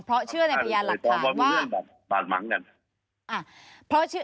เพราะเชื่อในพยานหลักฐานว่า